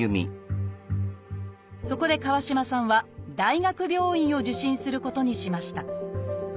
そこで川島さんは大学病院を受診することにしました。